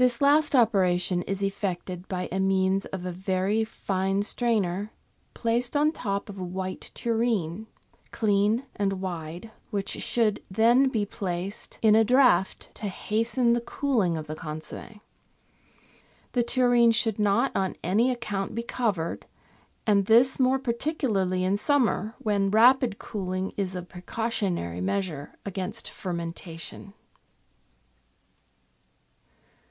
This last operation is effected by means of a very fine strainer, placed on the top of a white tureen (clean and wide), which should then be placed in a draught to hasten the cooling of the consomm6. The tureen should not on any account be covered, and this more particularly in summer, when rapid cooling is a precautionary measure against fer mentation.